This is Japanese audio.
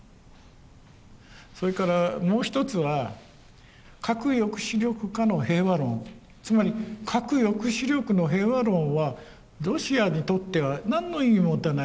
それからもう一つはつまり核抑止力の平和論はロシアにとっては何の意味も持たない。